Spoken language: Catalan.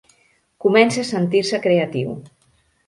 Comença a sentir-se creatiu.